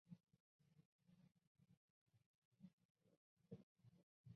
费尔泰姆是德国下萨克森州的一个市镇。